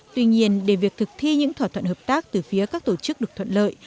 tuy nhiên để việc thực thi những thỏa thuận hợp tác từ phía các tổ chức được thuận lợi